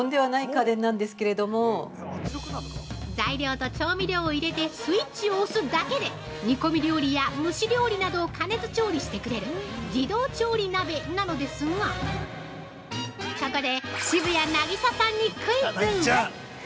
◆材料と調味料を入れてスイッチを押すだけで、煮込み料理や蒸し料理などを加熱調理してくれる「自動調理鍋」なのですがここで渋谷凪咲さんにクイズ！